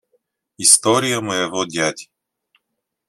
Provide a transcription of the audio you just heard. История моего дяди.